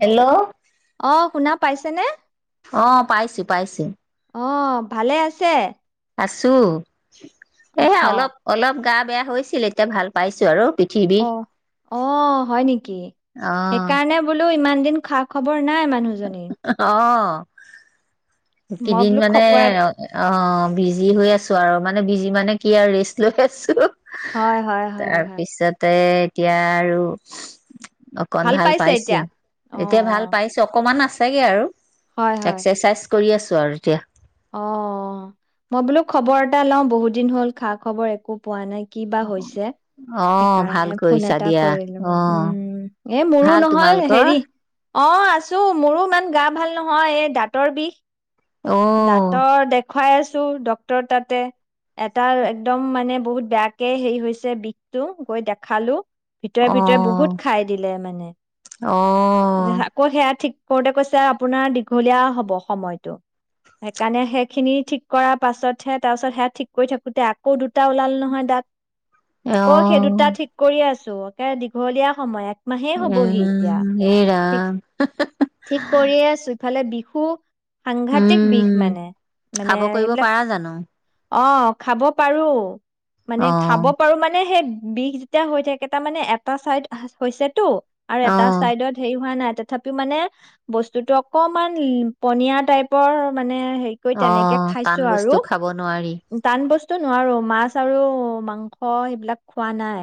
Hello অ শুনা পাইছেনে অ পাইছো পাইছো অঁ ভালে আছে আছো অহ অলপ অলপ গাত বেয়া হৈছিল এতিয়া ভাল পাইছো আৰু অ বিষ অ হয় নেকি অ সেইকাৰণে বোলো ইমান এদিন খা খবৰ নাই মানুহজনে অ [inaudible] মই কিদিন বোলো মানে খবৰ এ অ অ বিজি হৈ আছো আৰু মানে বিজি মানে কি আৰু ৰেষ্ট লৈ আছো হয় হয় হয় হয় তাৰপিছতে এতিয়া আৰু অকন ভাল পাইছে পাইছো এতিয়া? অহ এতিয়া ভাল অহ পাইছো অকমান আছে চাগৈ আৰু এক্সাৰচাইজ কৰি আছো আৰু এতিয়া অ মই বোলো খবৰ এটা লওঁ বহুত দিন হ'ল খা খবৰ একো পোৱা নাই ক বা হৈছে অ ভাল সেইকাৰণে ফোন কৰিছা এটা দিয়া কৰিলো অ উম এ মোৰো ভাল নহয় তোমালোকৰ হেৰি অ আছো মোৰো ইমান গা ভাল নহয় এই দাঁতৰ বিষ অ দাঁতৰ দে দেখুৱাই আছো ড্ক্তৰ তাতে এটা একদম মানে বহুত বেয়াকে হেৰি হৈছে বিষটো গৈ দেখালো ভিতৰে অ ভিতৰে বহুত খাই দিলে মানে অ আকৌ সেয়া ঠিক কৰোতে কৈছে আপোনাৰ দীঘলীয়া হব সময়টো সেইকাৰণে সেইখিনি ঠিক কৰ পাছতহে তাৰপাছত সে ঠিক কৰি থাকোতে আকৌ দুটা ওলাল নহয় দাত আকৌ সেই দুটা অ', ঠিক কৰি আছেো সে দিঘলীয়া সময় একমাহেই উ হবহি এতিয়া এইৰা ঠিক ঠিক কৰিয়ে আছো ইফালে বিহু সাংঘাতিক খাব কৰিব পাৰা জানো? খাব পাৰো মানে খাব অ', পাৰো মানে সেই বিষ যেতিয়া হৈ থাকে তাৰ মানে এটা আৰু এটা অ', চাইডত হেৰি হোৱা নাই তথাপি মানে বস্তুতটো অকমান পনীয়াাত টাইপৰ মানে হে কৰি তেনেকে অ', টান খাইছো আৰু বস্তু খাব নোৱাৰি। টান বস্তু নোৱাৰো মাছ আৰু মাংস এইবিলাক খোৱা নাই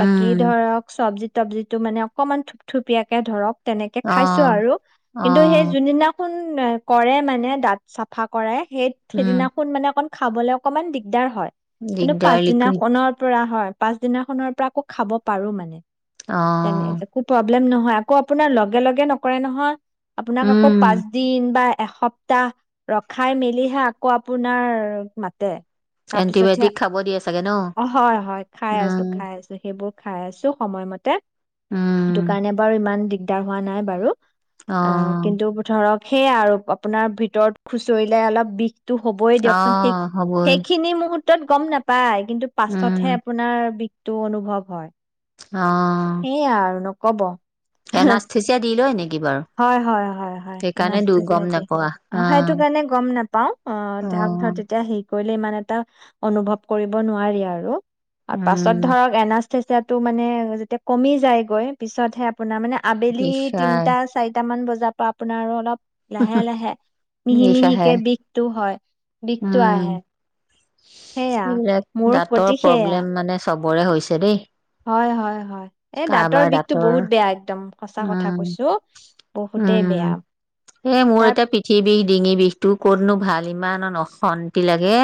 বাকী ধৰক চবজি চব্জিটো মানে অকণমান থুপথুপিয়াকে ধৰক তেনেকে খাইছো অ', আৰু কিন্তু সেই অ', যোনদিনাখন [inaudible] কৰে মানে দাঁত চাফা কৰায়। সেই উম, সেইদিনাখন মানে অকণ খাবলৈ অকণমান দিগদাৰ হয় কিন্তু দিগদাৰ লিকুইড পাছদিনাখনৰ পৰা হয় পাছদিনা খনৰ পৰা আকৌ খাব পাৰো মানে। অ। লেম নহয় আকৌ আপোনাৰ লগে লগে নকৰে নহয়। আপোনাক আকৌ উম, পাঁচদিন বা এসপ্তাহ ৰখাই মেলিহে আকৌ আপোনাৰ মাতে। তাৰপিছতহে। এন্টিবায়টিক খাব দিয়ে চাগে ন? অ হয়, হয়। খাই আছো, উম, খাই আছো সেইবোৰ খাই আছো সময়মতে। সেইটো উম, কাৰণে বাৰু ইমান দিগ দিগদাৰ হোৱা নাই বাৰু। অ, কিন্তু ধৰক সেয়া আৰু। আপোনাৰ ভিতৰত খুচৰিলে অলপ বিষ হেটো হ'বই দিয়কচোন সেই অ', হ'বই সেইখিনি মূহত ত গম নাপায়। কিন্তু পাছতহে উম, আপোনাৰ টো অনুভৱ হয়। অ। সেইয়া আৰু নকব। এনাস্থেচিয়া দি লয় নেকি বাৰু? হয়-হয়-হয়-হয় সেইকাৰণে দু গম নোপোৱা [unintelligible] অ সেইটো কাৰণে গম নাপাও। অ ধৰক অ', তেতিয়া কৰিলে ইমান এটা অনুভৱ কৰিব নোৱাৰি আৰু। আৰু পাছত উম, ধৰক এনা টো মানে যেতিয়া কমি যায়গৈ পিছতহে আপোনাৰ মানে আবেলি বিষাই তিনটা, চাৰিটা মান বজাত। তা আপোনাৰ অলপ লাহে-লাহে বিষ আহে মিহি-মিহিকে বিষটো হয়। বিষটো আহে। সেয়া সেইবিলাক মোৰ গতি দাঁতৰ প্ৰব্লেম মানে চবৰে হৈছে দেই। হয়-হয়-হয়। এ দাঁতৰ বিষতটো বহুত বেয়া একদম। সঁচা কথা উম! কৈছো বহুতেই উম! বেয়া তাৰ ইমানত অশান্তি লাগে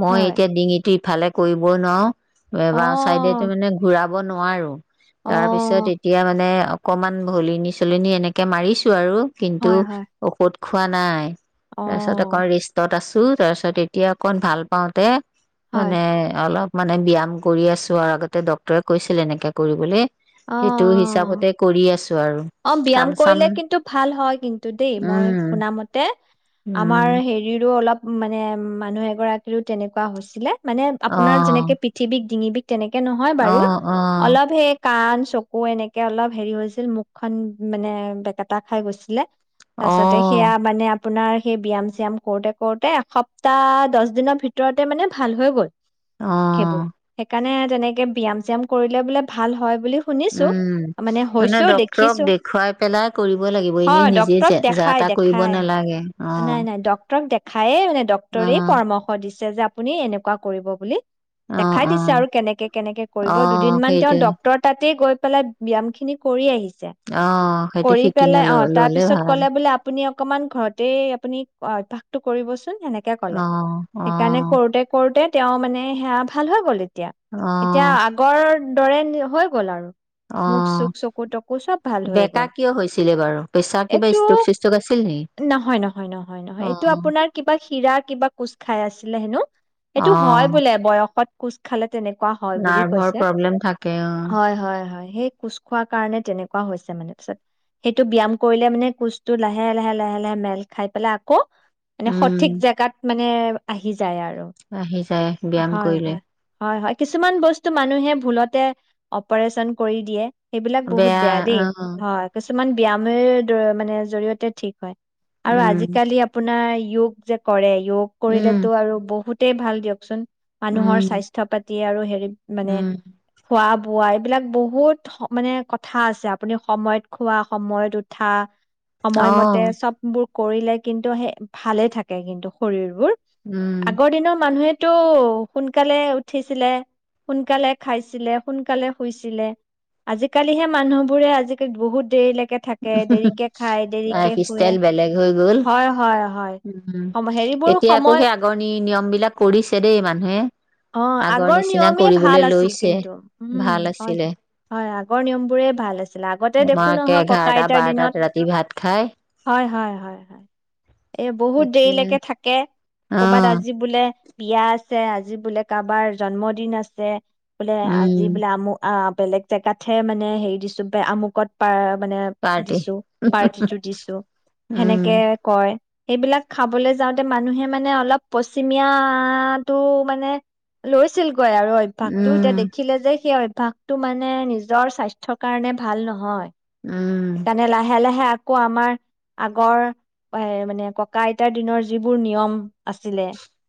মই হয়। এতিয়া ডিঙীতি ভালে কৰিবই নোৱাৰো অ বাও চাইডেটো মানে ঘুৰা কব নোৱাৰোঁ অ তাৰপিছত এতিয়া মানে অকমান ভলনি চলনি এনেকে মাৰিছো আৰু কিন্তু হয় হয় ঔষধ খোৱা নাই অ তাৰপিছত আকৌ ৰিষ্টত আছো তাৰপিছত এতিয়া অকণ ভাল পাওঁ দে হয় মানে অলপ মানে ব্যায়াম অ সেইটো হিচাপতে আছো আৰু অ বিয়্যাম কাম চাম কৰিলে কিন্তু ভাল হয় কিন্তু দেই মই উম শুনা মতে আমাৰ উম হেৰিৰো অলপ মানে মানুহ এগৰাকীৰও তেনেকুৱা হৈছিলে। মানে অ আপোনাৰ যেনেকে পিঠি বিষ, ডিঙি বিষ। তেনেকে নহয় অ বাৰু অ অলপ হে। কাণ চকু এনেকে অলপ হেৰি হৈছিল মুখখনন মানে বেকেটা খাই গৈছিলে। অ তাৰপাছতে সেয়া মানেআপো। আপোনাৰ সেই ব্যয়াম চয়াম কৰোতে কৰোতে এসপ্তাহ দহ দিনৰ ভিতৰতে মানে ভাল হৈ গ'ল। অ সেইবোৰ সেইকাৰণে। তেনেকে ব্যায়াম চ্যাম কৰিলে বোলে ভাল। ভাল হয় বুলি। শুনিছো উম মানে হৈছেও ড্ক্তৰক দেখিছো দেখুৱাই পেলাই কৰিব লাগিব এনে হয় নিজে ডক্তৰক যা দেখাই তা কৰিব দেখাই নালাগে অ। খায়েই। অ ডক্টৰে পৰামৰ্শ দিছে। যে আপুনি এনেকুৱা কৰিব বুলি। অ দেখাই অ দিছে আৰু কেনেকে কেনেকে অ কৰিব দুদিন মমান তেওঁ সেইটোৱে ডক্টৰ। তাতে গৈ পেলাই ব্যায়াম খিনি কৰি আহিছে। অ সেইটো কৰি শিকি পেলাই নল অ ললে তাৰপিছত ভাল কলে বোলে আপুনি। অকমান ঘৰতে আপুনি অভ্যসতটো কৰিবচোন। সেনেকে ক'লে, অ অ সেইকাৰণে কৰোঁতে কৰোঁতে তেওঁ মানে, সেয়া ভাল হৈ গ'ল এতিয়া, অ এতিয়া আগৰ [unintelligible] হৈ গ'ল আৰু মুখ অ চুখ চকু তকু চব ভাল হৈ বেকা গল কিয় হৈছিলে বাৰু প্ৰেছাৰ কিবা এইটো ষ্ট্ৰোক চিষ্ট্ৰোক আছিল নেকি? নহয় নহয় নহয় নহয় এইটো অ', আপোনাৰ কিবা শিৰা কিবা কোচ খাই আছে [unintelligible] হেনো এইটো, হয় অ', বোলে বয়সত। কোঁচ খালে। তেনেকুৱা হয় বুলি নাৰ্ভৰ কৈছে। প্ৰব্লেম থাকে অ'! হয়! হয়! হয়! সেই কোচ খোৱাৰ কাৰণে তেনেকুৱা হৈছে মানে পিছত সেইটো ব্যায়াম কৰিলে মানে কোচটো লাহে লাহে লাহে লাহে মেল খাই পেলাই আকৌ [inaudible] উম, সঠিক জেগাত মান [unintelligible] আহি যায় আৰু। আহি যায় ব্যায়াম হয় কৰিলে হয় হয় হয় কিছুমান বস্তু মানুহে ভুলতে অপাৰেচন কৰি দিয়ে। সেইবিলাক বহুত বেয়া দেই, হয়। কিছুমান ব্যায়ামে [unintelligible] মানে জৰি়য়তে ঠিক হয়। আৰু উম, আজিকালি আপোনাৰ য়োগ যে কৰে যোগ কৰিলেতো উম, আৰু বহুত [unintelligible] ভাল দিয়কচোন। মানুহৰ উম, স্বাস্থ্য পাতি আৰু হেৰি মানে, উম, খোৱা খোৱা এইবিলাক বহুত! মানে কথা আছে, আপুনি সময়ত খোৱা সময়ত উঠা। সময়মতে অ', চববোৰ কৰিলে কিন্তু সেই, ভালে থাকে কিন্তু শৰীৰ বোৰ। উম, আগৰ দিনৰ মানুহে [unintelligible] টো সোনকালে উঠিছিলে, সোনকালে খাইছিলে। সোনকালে শুইছিলে। আজিকালিহে মানুহ বোৰে, আজিকালি বহুত দেৰি লে লাইফ শুৱে ষ্টাইল বেলেগ হৈ গ'ল, হয় হয় হয় উম! সম হেৰিবোৰ এতিয়া আকৌ সময় সেই আগৰ নি নিয়ম বিলাক কৰিছে দেই মানুহে, অ আগৰ নিচিনা নিয়মেই কৰিবলৈ ভাল আছিল লৈছে। কিন্তু উম ভাল হয় আছিলে হয় আগৰ নিয়ম বোৰে ভাল আছিল আগতে দেখো নহয় ককা [inaudible] এটা বাৰটাত দিনত ৰাতি ভাত খায়। হয় হয় হয়। এ বহুত দেৰিলৈকে থাকে, কৰবাত অ', আজি বোলে বিয়া আছে, আজি বোলে কাৰোবাৰ জন্মদিন আছে। বোলে আ উম, যিবিলাআমো আ বেলেগ জেগাত হে মানে হেৰি দিছো, বা আমুকত পাৰ মানে পাৰ্টি দিছো পাৰ্টিটো দিছো উম সেনেকে কয়। এইবিলাক খাবলৈ যাওঁতে মানুহে মানে অলপ পশ্চিমীয়াটো মানে লৈছিল। আৰু অভ্যাসটো উম এতিয়া দে সেই অভ্যাসটো মানে নিজৰ স্বাস্থ্যৰ কাৰণে ভাল নহয়। উম সেইকাৰণে লাহে লাহে আকৌ আমাৰ আগৰ এ মানে ককা আইতাৰ দিনৰ যিবোৰ নিয়ম আছিলে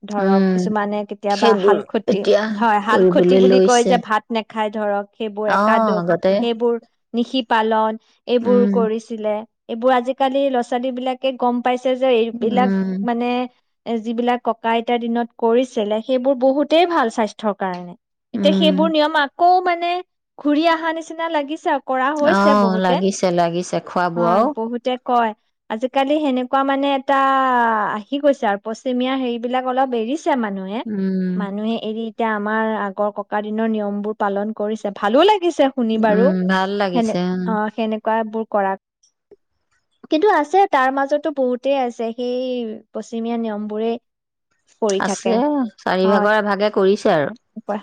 ধৰক উম কিছুমানে কেতিয়াবা সেইবোৰ শালখতি, এতিয়া হয় শালখতি কৰিবলৈ বুলি কয় লৈছে যে ভাত নেখা খাই ধৰক। সেইবোৰ আহ একাদশ আগতে সেইবোৰ নিশি পালন। এইবোৰ উম কৰিছিলে। এইবোৰ আজিকালি ল'ৰা ছোৱালী বিলাকে গম পাইছে যে এইবিলাক উম মানে এ যিবিলাক ককা আইতাৰ দিনত কৰিছিলে সেইবোৰ বহুতেই ভাল স্বাস্থ্যৰ কাৰণে। এতিয়া উম সেইবোৰ নিয়ম আ আকৌ মানে ঘূৰি আহা নিচিনা লাগিছে কৰা হৈছে আহ বহুতে। লাগিছে লাগিছে খুৱা হয় বোৱাও। বহুতে কয়, আজিকালি সেনেকুৱা মানে এটা আহি গৈছে আৰু পশ্চিমীয়া হেৰিবলাক অলপ এৰিছ এ মানুহে উম মানুহে এৰি এতিয়া আমাৰ আগৰ ককা দিনৰ নিয়ম বোৰ পালন কৰিছে ভালো লাগে পিছে শুনি বাৰু উম ভাল সেনে, লাগিছে উম অ সেনে বোৰ কৰা, কিন্তু আছে তাৰ মাজতো বহুতেই আছে সেই পশ্চিমীয়া নিয়ম বোৰে আছে অ চাৰিভাগৰ এভাগে কৰিছে আৰু।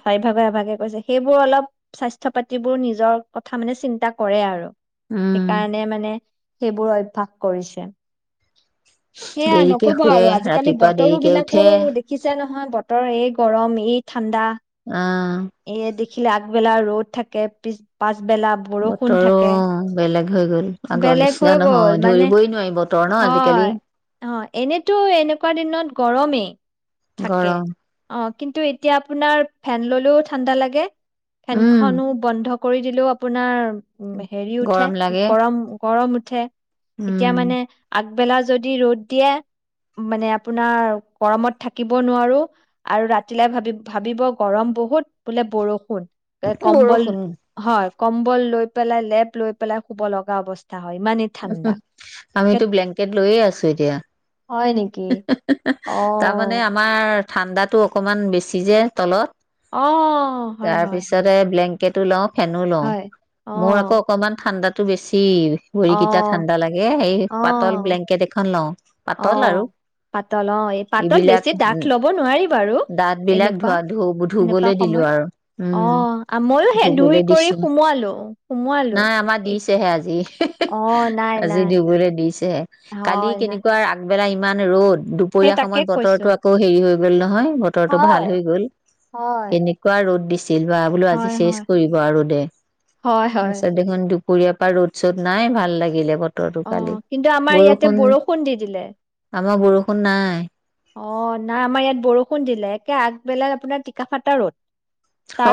চাৰিভাগৰ এভাগে কৈছে, সেইবোৰ অলপ স্বাস্থ্য পাতিবোৰ নিজৰ কথা মানে চিন্তা কৰে আৰু। উম সেইকাৰণে মানে সেইবোৰ অভ্যাস কৰিছে। সেয়া দেৰিকে নকব শুৱে আৰু আজিকালি ৰাতিপুৱা বতৰো দেৰিকে বিলাকো উঠে দেখিছা ন নহয় বতৰ এই গৰম এই ঠা ঠাণ্ডা, আহ এইয়ে দেখি হিলা আগবেলা ৰ'দ থাকে পিছ-পাছ বতৰো বেলেগ হৈ গল আগৰ বেলেগ হৈ নিচিনা গ'ল নহয় মানে ধৰিবই নোৱাৰি বতৰ ন হয় আজিকালি। অ, এনেতো এনেকুৱা দিনত গৰমেই। থাকে, গৰম অ। কিন্তু এতিয়া আপোনাৰ ফেন ললেও ঠাণ্ডা লাগে। উম ফেনখনো বন্ধ কৰি দিলেও আপোনাৰ উম, হেৰি উঠে গৰম লাগে গৰম-গৰম ঠে। এতিয়া উম মানে আগ বেলা যদি ৰ'দ দিয়ে, মানে আপোনাৰ গৰমত থাকিব নোৱাৰো আৰু ৰাতিলে ভাবি-ভাবিব গৰম বহুত, বোলে বৰষুণ। তে কম্বল, বৰষুণ হয়। কম্বল লৈ পেলাই লেপ লৈ পেলাই শুব লগা অৱস্থা হয় ইমানেই উম হু ঠাণ্ডা আমিতো ব্লেংকেট লৈয়ে আছো এতিয়া। হয় নেকি হি হি হি অ তাৰমানে আমাৰ ঠাণ্ডাটো অকণমান বেছি যে তলত। অ, হয়-হয়-হয়। কেটো লওঁ ফেনো লওঁ মোৰ আকৌ অকনমান ঠাণ্ডাত তো বেচ টিল অ ভৰিকেইটা ঠাণ্ডা লাগে, এই অ পাতল ব্লেংকেট এখন লওঁ। অ পাতল আৰু। পাতল অ', এই পাতল এইবিলাক বেছি ডাঠ লব নোৱাৰি বাৰু দাঁত বিলাক এনেকুৱা, ধোৱা ধু এনেকুৱা ধুবলৈ দিলো সময়ত আৰু উম অ' মইও সেই ধুই ধুবলৈ কৰি দিছো সুমুৱালোঁ সুমুৱালোঁ। এইচ হি হি আ আজি ধুবলৈ দিছে তে কালি হয় নাই কেনেকুৱা আগ বেলাইম ইমান ৰ'দ। সেই দুপৰীয়া তাকে সময়ত কৈছো বতৰটো আকৌ হেৰি হৈ গ ল'লে নহয় বতৰটো ভাল হয় হৈ গ'ল হয় কেনেকুৱা ৰ'দ দিছে। আজি হয় চেছ হয় কৰিব আৰু দে হয় হয় পাছত দেখুন খুৰিয়পা পৰা ৰ'দ চ'দ নাই ভাল লাগিলে বতৰটো অ কালি কিন্তু আমাৰ ইয়াতে বৰষুণ বৰষুণ দি দিলে আমাৰ বৰষুণ নাই। অ নাই আমাৰ ইয়াত বৰষুণ দিলে একে আগবেলা আপোনাৰ টিকাফাটা ৰ'দ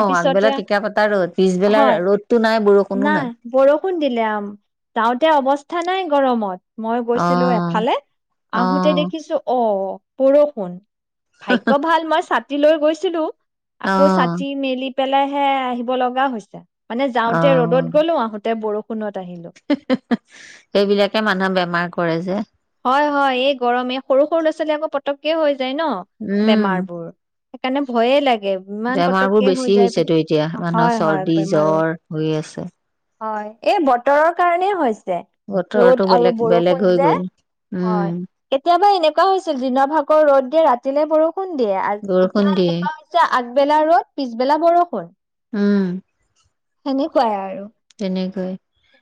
অ আগবেলা টিকাফতা ৰ'দ পিছবেলাৰ হয় ৰ'দতো নাই বৰষুণ নাই বৰষুণ দিলে যাওঁতে অৱস্থা নাই গৰমত মই অ গৈছিলো এফালে অ আহোতে দেখিছো অ। বৰষুণ ভাগ্য ভাল মই চা চাতিলৈ গৈছিলো অ আকৌ চাতি মেলি। পেলাইহে আহিব লগা হৈছে মানেযে। ৰদত গ'লো আহোতে বৰষুণত। আহিলো হে হে সেইবিলাকে মানুহে বেমাৰ কৰে যে। হয় হয় এই গৰমে সৰু সৰু ল'ৰা ছোৱালী আকৌ পটককে হৈ যায়। যায় ন উম বেমাৰ বোৰ সেইকাৰণে ভয়ে লাগে তাকে ইমান বেমাৰবোৰ পটককে বেছি হই যায় মানে হৈছেতো এতিয়া মানুহৰ হয় হয় চৰ্দি বেমাৰো জ্বৰ হৈ আছে। হয় এই বতৰৰ কাৰণে হৈছে ৰ'দ বতৰটো আৰু বেলেগ বৰষুণ বেলেগ হৈ যে গ'ল হয় উম, কেতিয়াবা এনেকুৱা হৈছিল দিনৰ ভাগৰ ৰ'দ দিয়ে ৰাতিলে বৰষুণ দিয়ে বৰষুণ এতিয়া দিয়ে এনেকুৱা হৈছে। আগবেলা ৰদ পিছবেলা বৰষুণ উম। সেনেকুৱাই আৰু। নে গৈ।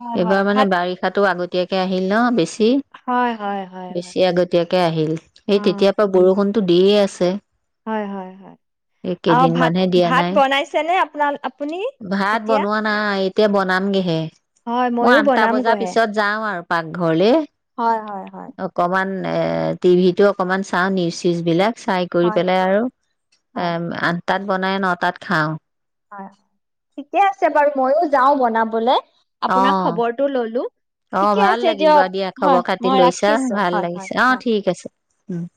হয় হয় এইবাৰ মানে ভাত বাৰিষাতো আগতে এতিয়াককে আহিল ন বেছি। হয় হয় হয় তি হয় বেছি আগতয়াকে আহিল অ এই তেতিয়াৰ পৰা বৰষুণ। দিয়ে আছে। হয় হয় হয় এই অ ভাত কেইদিনমানহে দিয়া ভাত নাই। বনাইছে নে? ভাত বনোৱা নাই, এতিয়া বনামগেহে। হয় মই ময়ো আঠটা বজাৰ বনামগৈহে পিছত যাও আৰু। পাকঘৰলে হয় হয় হয়। অকমান টিভিটো অকণমান চাওঁ, নিউজ চিউজবিলাক। চাই কৰি হয় পেলাই আৰু এ হয় আঠ তাত বনাই ন তাত খাওঁ। হয়', ঠিকে আছে, বাৰু ময়ো যাও বনাবলে। অ আপোনাক খবৰটো ললো অ ঠিকে ভাল আছে লাগিল দিয়ক বাৰু দিয়া, হয় খবৰ খাতি মই লৈছা ৰাখিছো ভাল হয় হয় লাগিছে অ হয় ঠিক আছে। উম',